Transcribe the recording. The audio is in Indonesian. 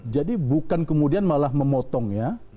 jadi bukan kemudian malah memotongnya